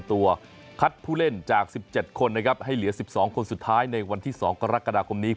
ตัวคัดผู้เล่นจาก๑๗คนนะครับให้เหลือ๑๒คนสุดท้ายในวันที่๒กรกฎาคมนี้